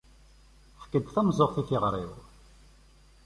Efk-d tameẓẓuɣt i tiɣri-w!